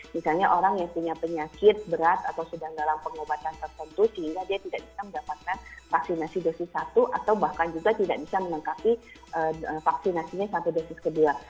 misalnya orang yang punya penyakit berat atau sedang dalam pengobatan tertentu sehingga dia tidak bisa mendapatkan vaksinasi dosis satu atau bahkan juga tidak bisa melengkapi vaksinasinya sampai dosis kedua